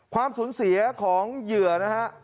ความสูญเสียของเหยื่อนะฮะ